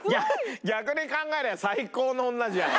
逆に考えりゃ最高の女じゃん。